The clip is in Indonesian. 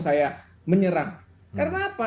saya menyerang karena apa